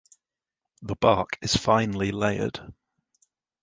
The bark is finely layered.